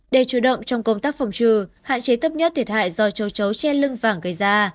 để chủ động trong công tác phòng trừ hạn chế thấp nhất thiệt hại do châu chấu che lưng vàng gây ra